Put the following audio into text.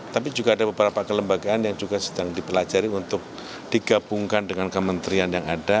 tapi juga ada beberapa kelembagaan yang juga sedang dipelajari untuk digabungkan dengan kementerian yang ada